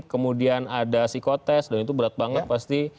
kemudian ada psikotest dan itu berat banget pasti